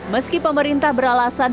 meski pemerintah beralasan